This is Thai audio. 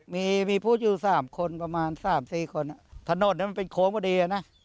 มีมีพูดอยู่สามคนประมาณสามสี่คนอ่ะถนนเนี้ยมันเป็นโค้งพอดีอ่ะน่ะ